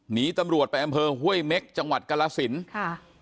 หนีตำรวจไปอำเภอห้วยเม็กจังหวัดกรสินค่ะ